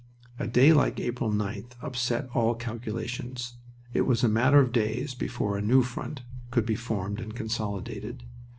A day like April 9th upset all calculations. It was a matter of days before a new front could be formed and consolidated.